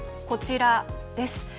こちらです。